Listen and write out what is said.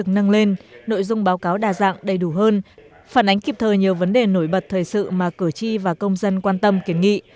năng lên nội dung báo cáo đa dạng đầy đủ hơn phản ánh kịp thời nhiều vấn đề nổi bật thời sự mà cử tri và công dân quan tâm kiến nghị